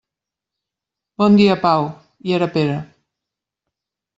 Bon dia, Pau. I era Pere.